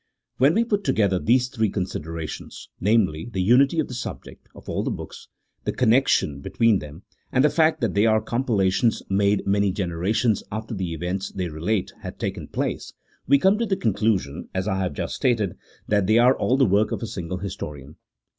When we put together these three considerations, namely, the unity of the subject of all the books, the connection between them, and the fact that they are compilations made many generations after the events they relate had taken place, we come to the conclusion, as I have just stated, that they are all the work of a single historian.